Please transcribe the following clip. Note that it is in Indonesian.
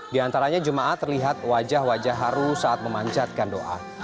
di antaranya jemaat terlihat wajah wajah haru saat memancatkan doa